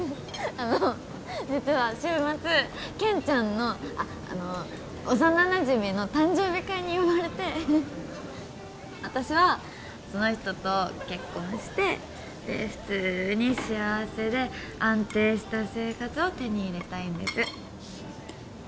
あの実は週末健ちゃんのあっあの幼なじみの誕生日会に呼ばれて私はその人と結婚してで普通に幸せで安定した生活を手に入れたいんです